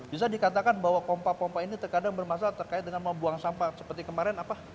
bisa dikatakan bahwa pompa pompa ini terkadang bermasalah terkait dengan membuang sampah seperti kemarin apa